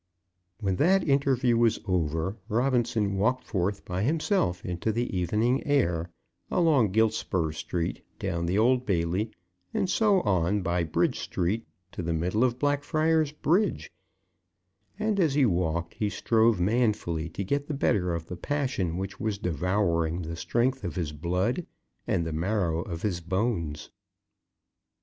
When that interview was over, Robinson walked forth by himself into the evening air, along Giltspur Street, down the Old Bailey, and so on by Bridge Street, to the middle of Blackfriars Bridge; and as he walked, he strove manfully to get the better of the passion which was devouring the strength of his blood, and the marrow of his bones.